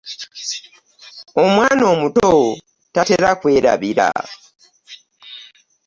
omwana omuto tatera kwerabira.